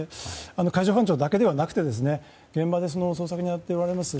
海上保安庁だけではなくて現場で捜索をやられております